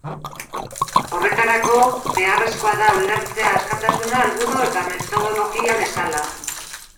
Horretarako, beharrezkoa da ulertzea askatasuna helburu eta metodologia bezala.